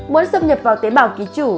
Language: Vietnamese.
muốn xâm nhập vào tế bào ký chủ